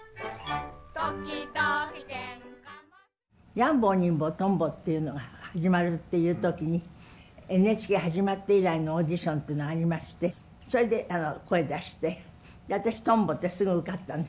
「やん坊にん坊とん坊」っていうのが始まるっていう時にＮＨＫ始まって以来のオーディションというのがありましてそれで声出して私とん坊ですぐ受かったんです。